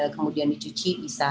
kemudian dicuci bisa